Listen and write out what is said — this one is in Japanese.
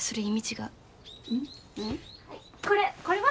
はいこれこれは？